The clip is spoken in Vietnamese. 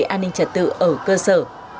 bảo vệ an ninh trật tự ở cơ sở